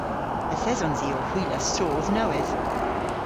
Yth esons i ow hwilas soodh nowydh.